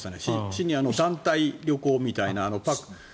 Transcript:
シニアの団体旅行みたいな。